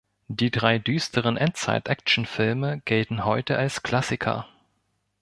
Die drei düsteren Endzeit-Action-Filme gelten heute als Klassiker.